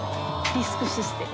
「ディスクシステム」